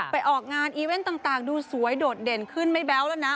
ออกงานอีเวนต์ต่างดูสวยโดดเด่นขึ้นไม่แบ๊วแล้วนะ